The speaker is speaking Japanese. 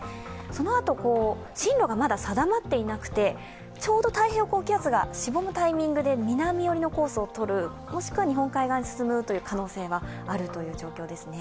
そのあと、進路がまだ定まっていなくて、ちょうど太平洋高気圧がしぼむタイミングで南寄りのコースをとる、もしくは日本海側に進む可能性はあるという状況です。